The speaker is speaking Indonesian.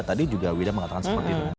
tadi juga wida mengatakan seperti itu